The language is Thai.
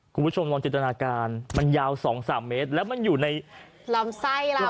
คุณผู้ชมลองจินตนาการมันยาว๒๓เมตรแล้วมันอยู่ในลำไส้เรา